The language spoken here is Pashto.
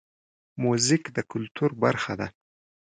موزیک د کلتور برخه ده.